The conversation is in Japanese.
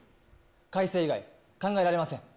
かいせい以外、考えられません。